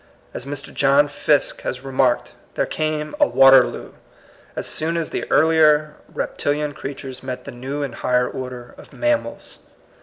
As Mr. John Fiske has remarked, there came a " Waterloo " as soon as the earlier reptil ian creatures met the new and higher order of mammals.